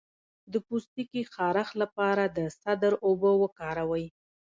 د پوستکي خارښ لپاره د سدر اوبه وکاروئ